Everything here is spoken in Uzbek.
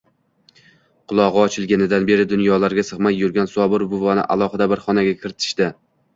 Qulog`i ochilganidan beri dunyolarga sig`may yurgan Sobir buvani alohida bir xonaga kiritishdi